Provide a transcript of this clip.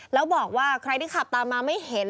แล้วบอกว่าใครที่ขับตามมาไม่เห็น